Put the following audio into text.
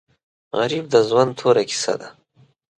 غریب د ژوند توره کیسه ده